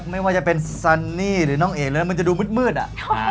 ไม่ว่าจะเป็นซันนี่หรือน้องเอกเลยมันจะดูมืดอ่ะ